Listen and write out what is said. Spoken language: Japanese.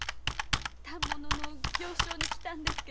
反物の行商に来たんです。